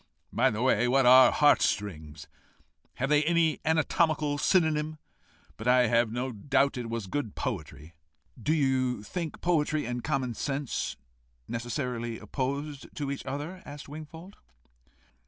By the way, what are the heart strings? Have they any anatomical synonym? But I have no doubt it was good poetry." "Do you think poetry and common sense necessarily opposed to each other?" asked Wingfold.